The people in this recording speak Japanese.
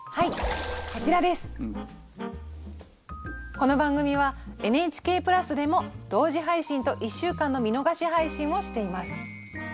この番組はＮＨＫプラスでも同時配信と１週間の見逃し配信をしています。